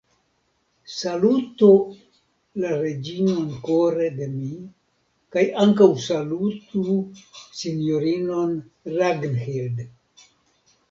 Salutu la reĝinon kore de mi; kaj ankaŭ salutu sinjorinon Ragnhild.